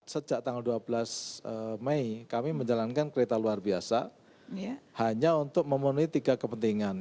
sejak tanggal dua belas mei kami menjalankan kereta luar biasa hanya untuk memenuhi tiga kepentingan